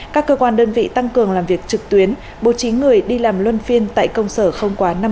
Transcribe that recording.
các cơ quan đơn vị tăng cường làm việc trực tuyến bố trí người đi làm luân phiên tại công sở không quá năm mươi